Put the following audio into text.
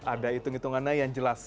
ada hitung hitungannya yang jelas